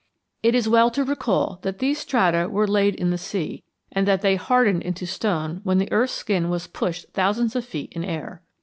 It is well to recall that these strata were laid in the sea, and that they hardened into stone when the earth's skin was pushed thousands of feet in air.